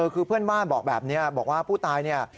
คือเพื่อนบ้านบอกแบบนี้บอกว่าผู้ตายเนี่ย